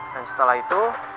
dan setelah itu